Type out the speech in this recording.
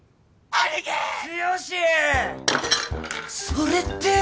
それって。